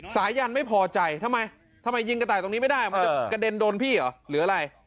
สายันไม่พอใจทำไมทำไมยิงกระต่ายตรงนี้ไม่ได้มันจะกระเด็นโดนพี่เหรอหรืออะไร